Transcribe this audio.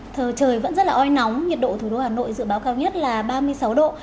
thời trời vẫn rất là oi nóng nhiệt độ thủ đô hà nội dự báo cao nhất là ba mươi sáu độ